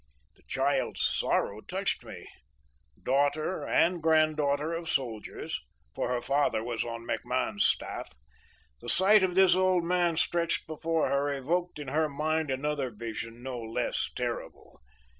"The child's sorrow touched me. Daughter and granddaughter of soldiers,—for her father was on MacMahon's staff,—the sight of this old man stretched before her evoked in her mind another vision no less terrible.